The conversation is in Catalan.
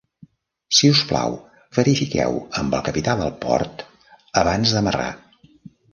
Si us plau, verifiqueu amb el capità del port abans d'amarrar.